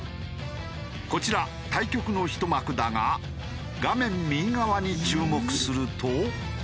こちら対局のひと幕だが画面右側に注目すると。